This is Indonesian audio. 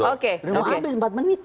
oke udah mau habis empat menit